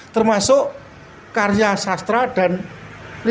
termasuk karya sastra dan nikmat